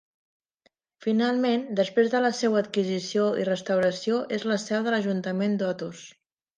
Finalment, després de la seua adquisició i restauració és la seu de l'ajuntament d'Otos.